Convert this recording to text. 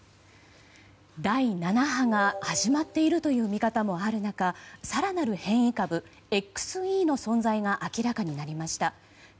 第７波が始まっているという見方もある中更なる変異株ＸＥの存在が明らかになりました。